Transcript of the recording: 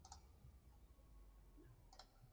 Para constantes de disociación.